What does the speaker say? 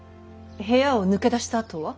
部屋を抜け出したあとは。